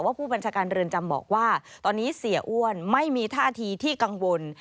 ผู้บัญชาการเรือนจำบอกว่าตอนนี้เสียอ้วนไม่มีท่าทีที่กังวล